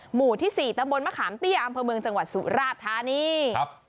หมู่ที่๔ตะบ่นมะขามตี้อ่ามเภอเมืองจังหวัดสุราชนีย์